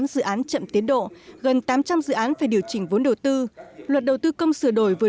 một bảy trăm bảy mươi tám dự án chậm tiến độ gần tám trăm linh dự án về điều chỉnh vốn đầu tư luật đầu tư công sửa đổi vừa